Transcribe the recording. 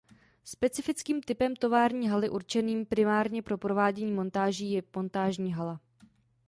Specifickým typem tovární haly určeným primárně pro provádění montáží je montážní hala.